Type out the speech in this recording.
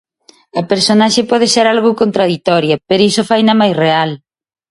A personaxe pode ser algo contraditoria pero iso faina mais real.